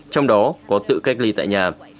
trong đó có tự cách ly tại nhà